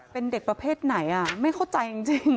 เป็นเด็กประเภทไหนไม่เข้าใจจริง